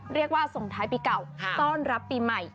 เรียกว่าส่งท้ายปีเก่าต้อนรับปีใหม่